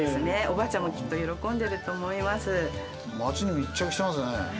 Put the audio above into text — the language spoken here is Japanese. おばあちゃんもきっと喜んでると思います。